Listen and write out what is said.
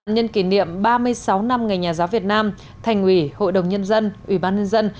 nhân kỷ niệm ba mươi sáu năm ngày nhà giáo việt nam thành ủy hội đồng nhân dân ủy ban nhân dân